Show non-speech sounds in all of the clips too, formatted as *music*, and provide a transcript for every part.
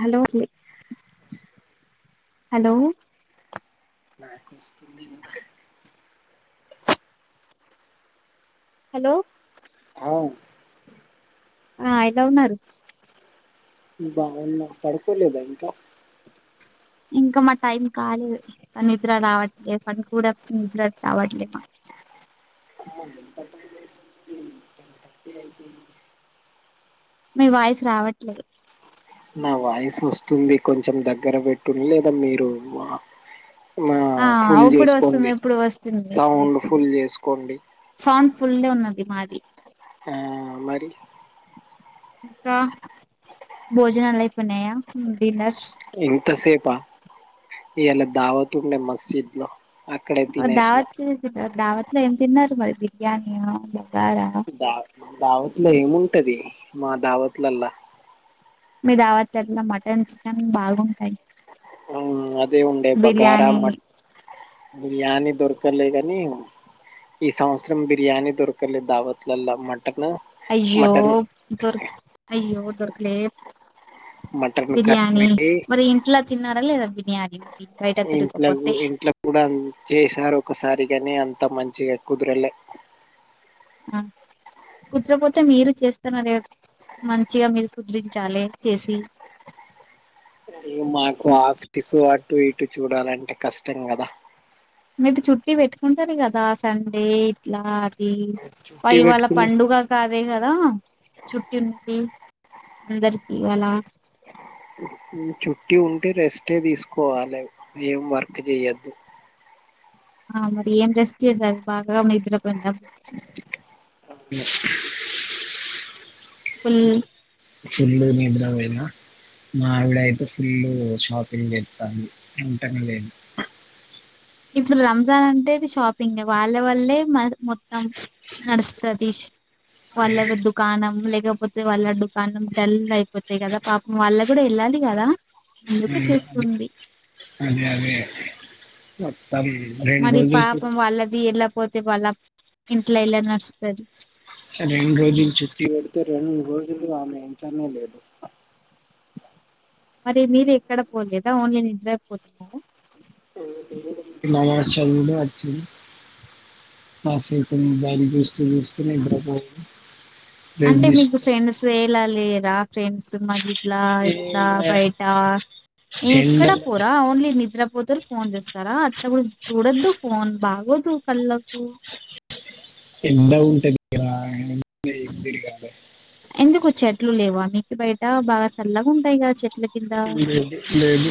Hello hello నాకుస్తుంది hello అవు ఐలవన్నారు బాగున్నా పడుకోలేదా ఇంకా ఇంకా మా టైం కాలేదు నిద్ర రావట్లేదు పని కూడా నిద్ర రావట్లే మా అమ్మ ఎంత పడలేదు తప్పి అయిపోయింది మీ వాయిస్ రావట్లేదు నా వాయిస్ వస్తుంది కొంచెం దగ్గర పెట్టుంది లేదా మీరు మా ఆ ఫుల్ అప్పుడు వస్తుంది చేసుకోండి ఎప్పుడు వస్తుంది ఇప్పుడు సౌండ్ వస్తుంది ఫుల్ చేసుకోండి సౌండ్ ఫుల్ ఉన్నది మాది ఆ మరి ఇంకా భోజనాలు అయిపోనాయా డిన్నర్ ఇంత సేపు ఆ ఇ యలా దావతుూ మసీద్ లో దావత్ చేసి దావత్లో ఏం తిన్నారు మరి బిర్యానీ అ దావ దావత్ లో ఏముంటది మా దావత్లలా మీ దావాతట్ల మటన్ చికెన్ బాగుంటాయి అదే ఉండే బగారా బిర్యానీ మ బిర్యానీ దొరకలేగానీ ఈ సంవత్సరం బిర్యానీ దొర్కలే దావతులలా మ అయ్యో దొర్ అయ్యో దర్కలే మటన్ బిర్యానీ కర్రీ మరి ఇంట్లో తిన్నారా లేదా బిర్యానీ మరి బయట ఇంట్లో తిరకపోతే ఇంట్లో కూడా అ చేశారు ఒకసారి కాని అంత మంచిగా కుదరలే ఆ కూర్చోకపోతే మీరు చేస్తూ మంచిగా మీరు పూజించాలి చేసి మాకు ఆఫీసు అటు ఇటు చూడాలంటే కష్టం కదా మీరు చుట్టూ పెట్టుకుంటారు కదా సండే ఇట్లా ఇ చుట్టి మరివల్ల పెట్టుకుని పండుగకి కాదే కదా చుట్టి ఉన్నది అందరికీ అలా చుట్టి ఉంటే రెస్టే తీసుకోవాలి ఏం వర్క్ చేయ్యొద్దు ఆ మరి ఏం రెస్ట్ చేసారు బాగా నిద్రపోయేనవ్ అవు హ్మ్ ఫుల్ గా నిద్రపోన్నా మావిడ అయితే ఫుల్ షాపింగ్ చేస్తది ఎంటనే లెన్ ఇప్పుడు రంజాన్ అంటే అది షాపింగ్ వాళ్ళ వల్లే మొత్తం నడుస్తది వాళ్ళకి దుకాణం లెక్ లేకపోతే వాళ్ళ దుకాణం డల్ అయిపోతాయి కదా పాపం వాళ్ళ కూడా వెళ్ళాలి కదా అందుకే హ్మ్ చేస్తుంది అదే అదే రెండు మరి రోజులకి పాపం వళ్ళది ఎలా పోతే వళ్ళ సరే రెండు రోజులు చుట్టి పెడితే రెండు రోజులు ఆమె చెన్న లేదు మరి మీరు ఎక్కడ పోలేదా ఓన్లీ నిడ్రై పోతున్నారు *unintelligible* కాసేపు మొబైల్ చూస్తూ చూస్తూ నిద్రపో అంటే మీకు ఫ్రెండ్స్ ఎలా లేరా ఫ్రెండ్స్ మసీద్ లా ఇట్లా ఇక బయట న ఎండ ఎక్కడా పోరా ఓన్లీ నిద్రపోతురు ఫోన్ చేస్తారా అట్ప్పుడు చూడొద్దు ఫోన్ బాగు దు పల్లపు ఎండ ఉంటంది ఇక్కడ *unintelligible* తిరగాలే ఎందుకు చెట్లు లేవా మీకు బయట బాగా సల్లగా ఉంటాయి కదా చే లేదు లేవు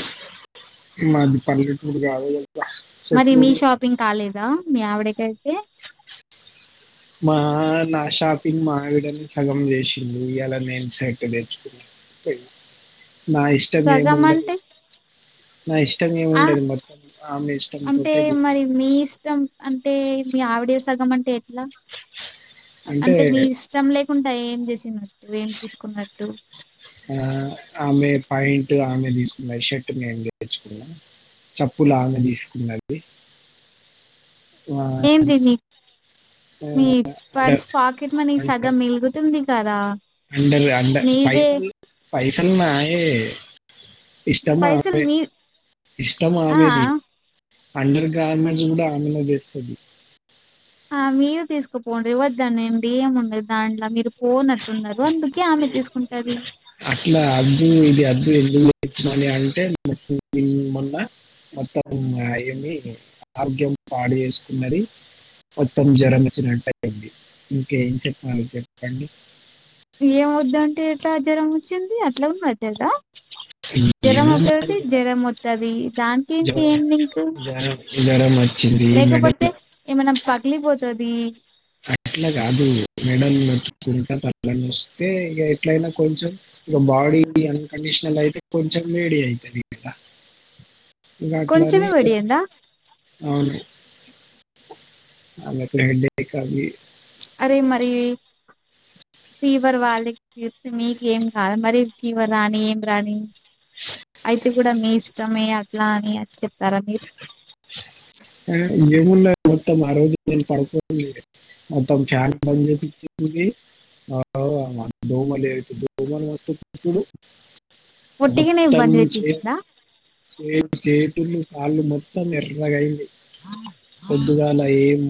మాది పల్లెటూరు కాదు మరి చెట్లు మీ ఉండేకి షాపింగ్ కాలేదా? మీ ఆవిడకి ఐతే మా నాషాపింగ్ మావిడనే సగం చేయ ఇయాల నేను షర్ట్ చెంచుకున్న పోయి నా ఇష్టం ఎం సగం ఉండది అంటే ఆ ఆమె ఇష్టంతో అంటే మరి మీ ఇష్టం అంటే మీ ఆవిడస్త సగం అంటే ఎట్లా అంటే మీ ఇష్టం లేకుంటడా ఏం చేసిన నువ్ ఏం తీసుకున్నట్టు ఆ ఆమె పా్యాంట్ ఆమె తీసుకున్న షర్ట్ మేము తెచ్చుకున్నాం చప్పులు ఆమె తీసుకుందండి ఎం తిని మీ అండర్ పర్స్ పాకెట్ మనీ సగం మిలుగుతుంది కదా అండరు అండ పై మీదే పైసలు నాయే పైసలు ఇష్టమామె మీ ఇష్టం ఆ! ఆ! ఆమెది అండర్ గార్మెంట్స్ కూడా ఆమెలో వేస్తుంది ఆ మీరు తీసుకుపోం వద్దనండి ఏము ఉండ దాంట్లో మీరు పోనట్టున్నారు అందుకే ఆమె తీసుకుంటది మరి అంటే మొన్న మొత్తం అయ్యింది ఆరోగ్యం పాడు చేసుకున్నది మొత్తం జ్వరం వచ్చినటు అయ్యింది ఇంకేం చెప్పాలి చెప్పండి ఏమవుద్ద అంటే ఎట్లా జ్వరం వచ్చింది అట్లా ఉండది కదా జ్వరం ఏమో ఎప్పుడతే మరి జ్వరం వతుది దానికి ఇంకి జ్వరం ఏం లింక్ జ్వరం జ్వరం వచ్చింది లేకపోతే మెడలో ఏమైనా పగిలిపోతంది అది అట్లా కాదు మెడల్ నచ్చుకుంటా పల్లని వస్తే ఇ ఎట్లయినా కొంచెం ఇ బాడీ అన్కండిషనల్ అయితే కొంచెం వేడి అవుతుది వాట్లాని కొంచెమే పడియందా అవును అలాే హెడ్డ అరే మరి ఫీవర్ వాళ్ళ మీకు ఏం కాదుి మరి ఇవ్వ రాని ఏం రాని అయితే కూడా మీ ఇష్టమే అట్లా అని చెప్తారా మీరు ఆ, ఏమున్నా మొత్తం ఆ రోజు నేను పడుకో మొత్తం చాలా బంద చేపించింది అ మా ో మ లేవి మలు వస్తడు ఒట్టిగానే మొత్తం బంద్ చే చేసేసిందా చేతులు కాలు మొత్తం ఎర్రగయింది పొద్దుగాల ఏం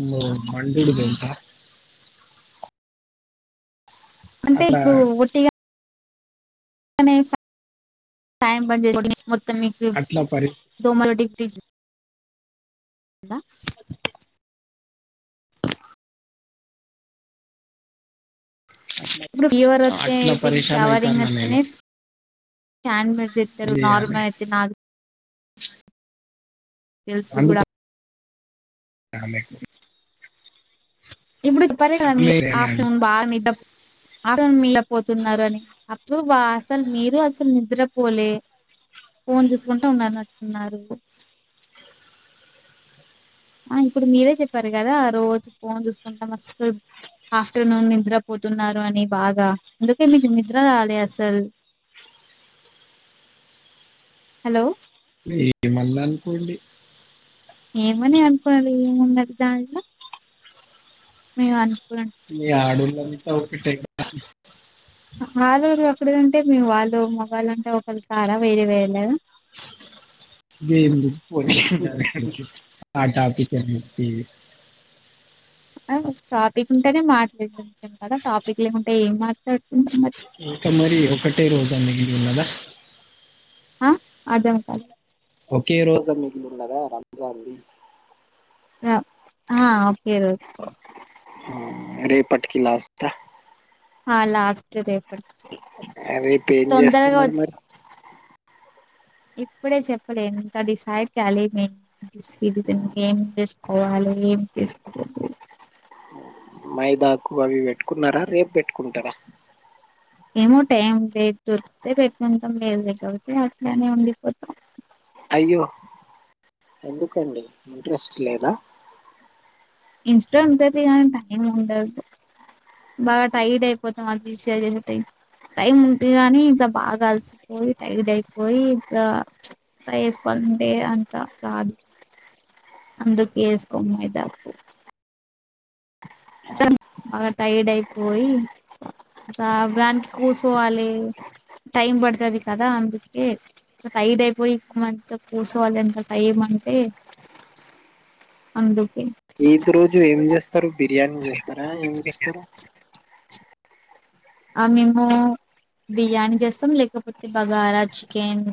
మండుడు తెల్సా *inaudible* అంటే ఇప్పుడు ఒట్టిగా *inaudible* టైం పడి ఉ మొత్త మీకు అట్లా పరి తోమలొటి జ అ ఇప్పుడు ఫవర్స్తతే అట్లా ఇ పరేషాన్ షవర్ంగ్ అయితాన్న నేను అంతనే క్యాన్ మీర్ ఏం దతారు చేయాలి నార్మల్ అయితే నాకు తెలుసు కూడా ఆమె ఇప్పుడు పర్లే కదా ఆమె అని అంట ఆఫ్టర్నూన్ బా ఆఫ్టర్నూన్ పోతున్నారు అని అప్పుడు వా అసలు మీరు అసలు నిద్రపోలే ఫోన్ చేూసుకుంటూ ఉన్ననట్టున్నారు ఆ ఇప్పుడు మీరే చెప్పారు కదా రోజు ఫోన్ చూసు ఇంత మస్తుత్ ఆఫ్టర్నూన్ నిద్ర పోతున్నారు అని బాగా అందుకే మీకు నిద్ర రాలే అసలు హలో! మీరేమన్నా అనుకోండి ఏమని అనుకోనాలి ఏముండది దానిలో మేం అనుకున్నట్టు మీ ఆడోళ్ళంతా ఒకటే రాలేదు అక్కడే ఉన్ అంటే మీ వాళ్ళు మోగళ్లంటే ఒకళ్ళకి కారా వేరే వేరె లేరా *unintelligible* ఆ టాపిక్ ఏమైంది ఈ ఆ టాపిక్ ఉంటేనే మాట్లు *unintelligible* కదా టాపిక్ లేకుంటే ఏం మాట్లాడ్ ఇంకా మరి ఒకటే రోజాన్నగిరి ఉన్నదా? ఆ అదేమో కళ్ళు ఒకే రోజ మిగిలున్నదా రంజాన్ ది ఆ ఓకే రో రేపటికి లాస్ట్ ఆ ఆ లాస్ట్ రేపటికి. రేపు ఏం తొందరగా వొ చేస్తున్నారు మరి ఇప్పుడే చెప్పలేను ఇంకా డిసైడ్ కాలేదు నేను డిసైడ్ అయిపోయినంక, ఏం చేసుకోవాలి ఏం చేసుకోదు మయి బ్యాక్కు అవి పెట్టుకున్నారా? రేపు పెట్టుకుంటారా? ఏమో టైం వే దొరికితే పెట్టుకుంటాం. టైం లేకపోతే అట్లానే ఉండిపోతాం. అయ్యో ఎందుకండి ఇంట్రెస్ట్ లేద? ఇన్స్ట ఉంటది కానీ టైం ఉండదు. బాగా టైడ్ అయిపోతాం అది తీసి ఇది ఏసె టై టైమ్ ఉంటె గాని, ఇంకా బాగా అలిసిపోయి టైడ్ అయిపోయి, ఇట్లా వేసుకో అంటె అంత రాదు. అందుకే ఏసుకోమ్ మయిదాకు ఇసాని బాగా టైర్డ్ అయిపోయి, బావ్ దాంట్లో కూసోవాలి. టైమ్ పడుతది కదా! అందుకే, టైడ్ అయిపోయి, మనతో కూసోవాలి అంత టైం అంటే, అందు ఈద్ రోజు ఏం చేస్తారు? బిర్యానీ చేస్తారా ఏం చేస్తారు ఆ మేము బిర్యానీ చేస్తాం. లేకపోతే బగారా చికెన్,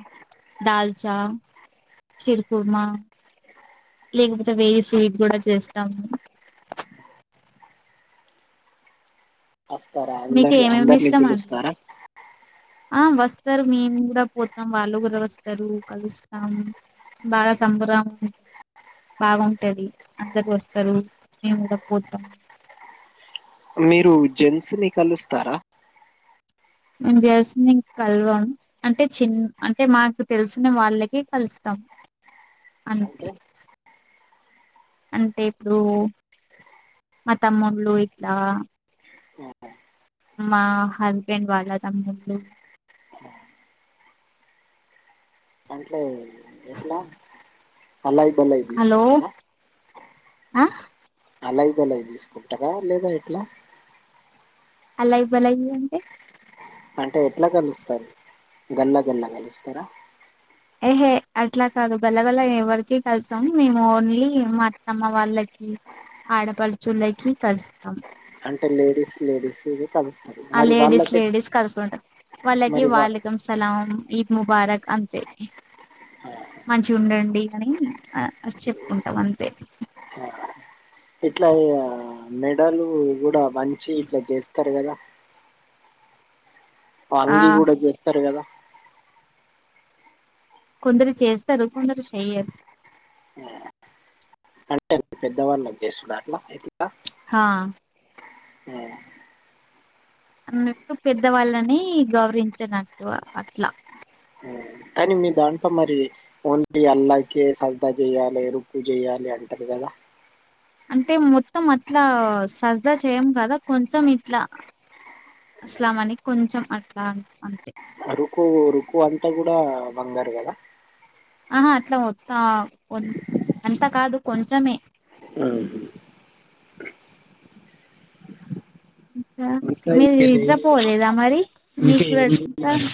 దాల్చా చెర్ కుర్మా లేకపోతే వేరే స్వీట్ కూడ చేస్తాము. వస్తారా అందరు మీకేమేమి అందరిని ఇష్టం అండి? పిలుస్తారా ఆ వస్తరు. మేము కూడా పోతాం. వాళ్ళు కూడా వస్తారు. కలుస్తాం. బాగా సంబరామున్ బాగుంటది. అందరు వస్తరు మేము కూడా పోతం మీరు జెన్స్ ని కలుస్తారా? మేము జెల్స్ ని కలవం. అంటే, చిన్న అంటే మాకు తెలిసిన వాళ్ళకే కలుస్తాం. అం అంటే అంటే ఇప్పుడు, మా తమ్ముళ్ళు ఇట్లా మా హస్బెండ్ వాళ్ళ తమ్ముళ్ళు అంటే ఎట్లా అలై బలై హలో తీసుకుంటరా ఆ అలై బలై తీసుకుంటరా లేద ఎట్లా? అలై బలై అంటే! అంటే ఎట్ల కలుస్తారు గల్ల గల్ల కలుస్తారా ఎహే అట్ల కాదు గల్ల గల్ల ఎవరికి మేము ఓన్లీ మా అత్తమ్మ వాళ్ళకి ఆడపడుచులకి కలుస్తాం అంటే లేడీస్ లేడీస్ ఇది కలుస్ ఆ లేడీస్ లేడీస్ కలుసుకుంటారు వాళ్ళకి మరి వా వాలెకుం సలాం ఇ ముబారక్ అంతే మంచిగ ఉండండి అని ఆ చెప్పుకుంటాం అంతే ఎట్లా మెడలు కూడా వంచి ఇట్లా చేస్తారు కదా ఆ! వంగి కూడా చేస్తారు కదా కొందరు చేస్తారు కొందరు చెయ్యరు అంటే పెద్దవాల్లే చేస్తుర్ర అట్లా ప్చ్ హా ఉమ్, అన్నట్టు పెద్దవాళ్ళని గౌరవించినట్టు అట్లా ఉమ్. కానీ మీ దాంట్లో మరి ఓన్లీ అల్లాకే ట చెయాలి. రుక్కు చెయ్యాలి అంటారు కదా అంటే మొత్తం అట్లా సర్జా చేయము కదా కొంచెం ఇట్లా అస్లాం అని కొంచెం అట్లా అంతే అరుకు అరుకు అంతా కూడా బంగారు కదా ఆహా అట్లా మ తా అంతా కాదు కొంచెమే ఇంకా మీరు నిద్రపోలేదా మరి ఇంకా మీకు ఏం ఇంకా తిన్నారు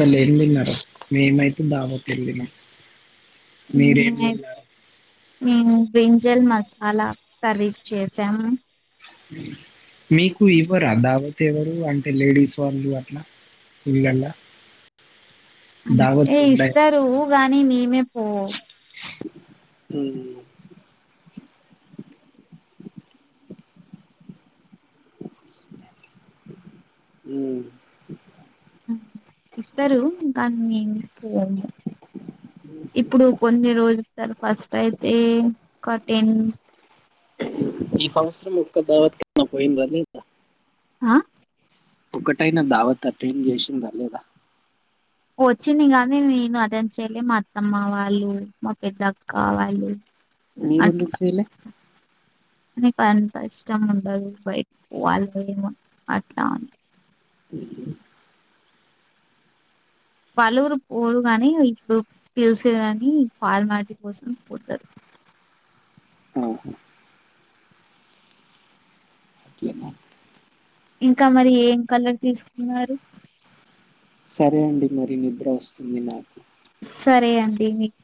మళ్ళీ ఏం తిన్నారు మేమైతే దావత్ కి వెళ్లి తిన్నం మీరేం మేమై తిన్నారు మేము బ్రింజల్ మసాలా కర్రీ చేసాము మీకు ఇవ్వరా దావత్ ఏ అంటే లేడీస్ వాళ్ళు అట్లా ఇల్లలా అంటే ఇస్తారు గాని మేమే పో ఉమ్ ఉమ్ ఇస్తారు కానీ మేమే పోము ఇప్పుడు కొన్ని రోజులు స ఫస్ట్ అయితే క టెన్ ఈ సంవత్సరం ఒక్క దేవత పోయింద ఆ ఒకటయినా దావతా అటెండ్ చేసిండ్రా లేదా వచ్చింది కానీ నేను అటెండ్ చేయలే మా అత్తమ్మ వాళ్ళు మా పెద్ద అక్క వాళ్ళు మీరెందుకు చేయలే నాకు అంత ఇష్టం ఉండదు బయటికి పోవాలి ఏమో అట్లా అని ఉమ్ పలువురు పోరు గాని ఇప్పుడు పిలిసే కాని ఫార్మాలిటీ కోసం పోతారు ఉహూ ఏమో ఇంకా మరి ఏం కలర్ తీసుకున్నారు సరే అండి మరి నిద్ర వస్తుంది నాకు సరే అండి మీకు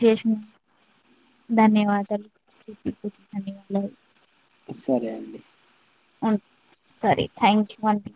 చేసిన ధన్యవాదాలు పూర్తి పూర్తి ధన్యవాదాలు సరే అండి ఉం సరే థ్యాంక్ యూ అండి